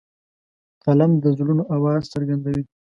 قلم د زړونو آواز څرګندوي